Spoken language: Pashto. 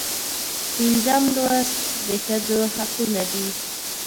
پنځم لوست د ښځو حقونه دي.